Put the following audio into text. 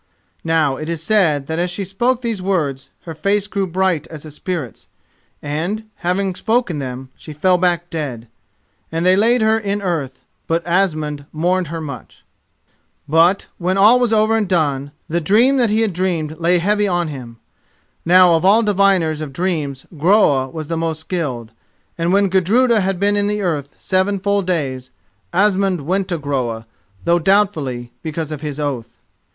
Now, it is said that, as she spoke these words, her face grew bright as a spirit's, and, having spoken them, she fell back dead. And they laid her in earth, but Asmund mourned her much. But, when all was over and done, the dream that he had dreamed lay heavy on him. Now of all diviners of dreams Groa was the most skilled, and when Gudruda had been in earth seven full days, Asmund went to Groa, though doubtfully, because of his oath.